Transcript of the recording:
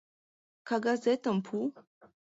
Кагазетым пу!